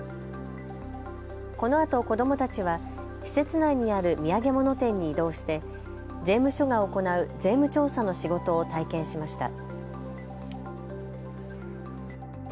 このあと子どもたちは施設内にある土産物店に移動して税務署が行う税務調査の仕事を体験しました。